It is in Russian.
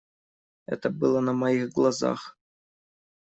Это было на моих глазах.